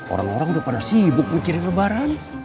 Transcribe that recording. orang orang sudah pada sibuk menciri lebaran